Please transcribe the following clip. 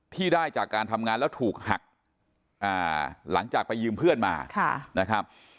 ที่ได้จากการทำงานแล้วถูกหักหลังจากไปยืมเพื่อนมานะครับ